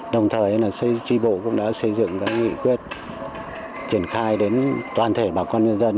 đồng thời tri bộ cũng đã xây dựng các nghị quyết triển khai đến toàn thể bà con nhân dân